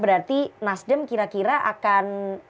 berarti nasdem kira kira akan